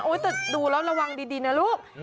แต่ดูแล้วระวังดีนะลูก